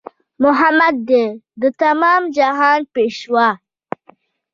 محمد دی د تمام جهان پېشوا